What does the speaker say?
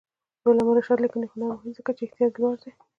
د علامه رشاد لیکنی هنر مهم دی ځکه چې احتیاط یې لوړ دی.